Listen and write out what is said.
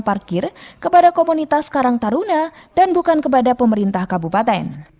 parkir kepada komunitas karang taruna dan bukan kepada pemerintah kabupaten